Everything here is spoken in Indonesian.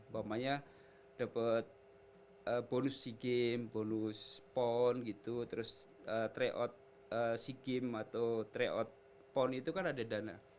namanya dapat bonus si game bonus pon gitu terus tryout si game atau tryout pon itu kan ada dana